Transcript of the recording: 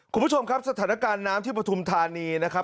คุณผู้ชมครับสถานการณ์น้ำที่ปฐุมธานีนะครับ